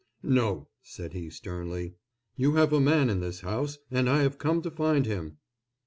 "No!" said he, sternly. "You have a man in this house, and I have come to find him."